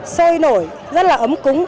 sôi nổi rất là ấm cúng